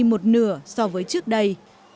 một nửa so với trước đây